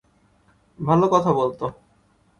ভালো কথা বলত।